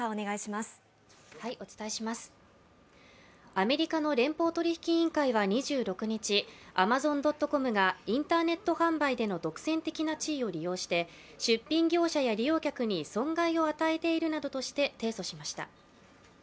アメリカの連邦取引委員会は２６日、アマゾン・ドット・コムがインターネット販売での独占的な地位を利用して出品業者や利用客に損害を与えているなどとして提訴しました。